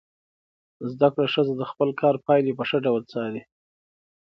زده کړه ښځه د خپل کار پایلې په ښه ډول څاري.